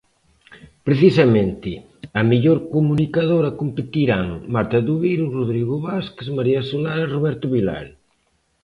Precisamente, a mellor comunicadora competirán Marta Doviro, Rodrigo Vázquez, María Solar e Roberto Vilar.